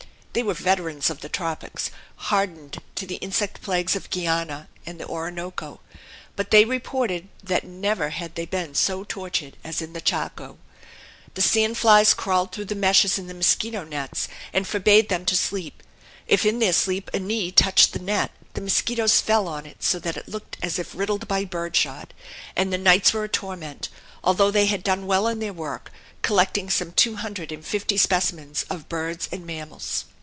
They were veterans of the tropics, hardened to the insect plagues of Guiana and the Orinoco. But they reported that never had they been so tortured as in the Chaco. The sand flies crawled through the meshes in the mosquito nets, and forbade them to sleep; if in their sleep a knee touched the net the mosquitoes fell on it so that it looked as if riddled by birdshot; and the nights were a torment, although they had done well in their work, collecting some two hundred and fifty specimens of birds and mammals.